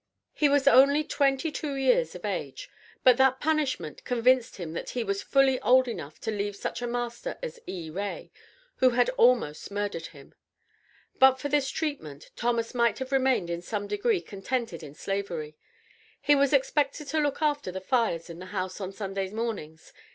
He was only twenty two years of age, but that punishment convinced him that he was fully old enough to leave such a master as E. Ray, who had almost murdered him. But for this treatment, Thomas might have remained in some degree contented in Slavery. He was expected to look after the fires in the house on Sunday mornings.